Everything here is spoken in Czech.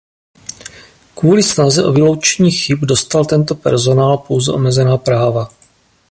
Kvůli snaze o vyloučení chyb dostal tento personál pouze omezená práva.